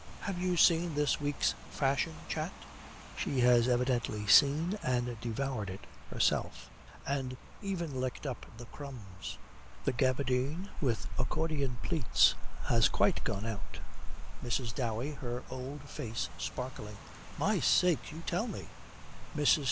Have you seen this week's Fashion Chat?' She has evidently seen and devoured it herself, and even licked up the crumbs. 'The gabardine with accordion pleats has quite gone out.' MRS. DOWEY, her old face sparkling. 'My sakes! You tell me?' MRS.